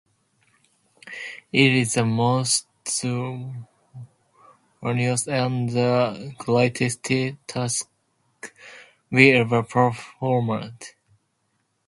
It is the most onerous and the grandest task we ever performed.